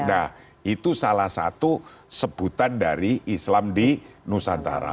nah itu salah satu sebutan dari islam di nusantara